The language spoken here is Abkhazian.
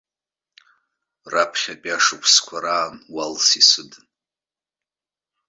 Раԥхьатәи ашықәсқәа раан уалс исыдын.